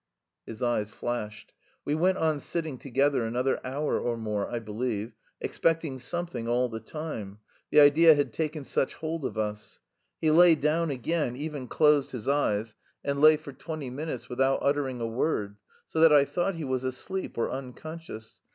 His eyes flashed. We went on sitting together another hour or more, I believe, expecting something all the time the idea had taken such hold of us. He lay down again, even closed his eyes, and lay for twenty minutes without uttering a word, so that I thought he was asleep or unconscious.